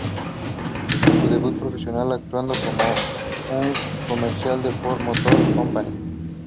Hizo su debut profesional actuando en un comercial de Ford Motor Company.